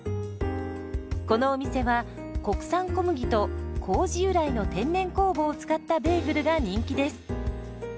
このお店は国産小麦と麹由来の天然酵母を使ったベーグルが人気です。